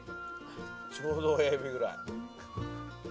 ちょうど親指ぐらい。